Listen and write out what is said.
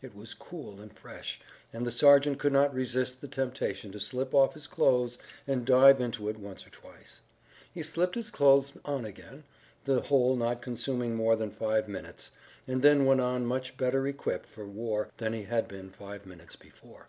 It was cool and fresh, and the sergeant could not resist the temptation to slip off his clothes and dive into it once or twice. He slipped his clothes on again, the whole not consuming more than five minutes, and then went on much better equipped for war than he had been five minutes before.